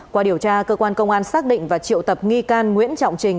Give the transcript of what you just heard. qua điều tra cơ quan công an xác định và triệu tập nghi can nguyễn trọng trình